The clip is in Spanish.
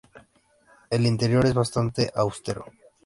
El interior es bastante austero.